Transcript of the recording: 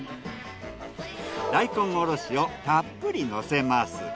大根おろしをたっぷり乗せます。